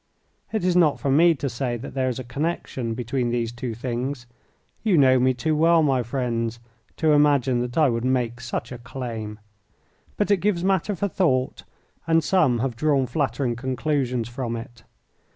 It is not for me to say that there is a connection between these two things. You know me too well, my friends, to imagine that I would make such a claim. But it gives matter for thought, and some have drawn flattering conclusions from it.